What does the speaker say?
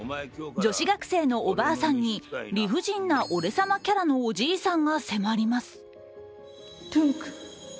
女子学生のおばあさんに理不尽な俺様キャラのおじいさんが迫ります。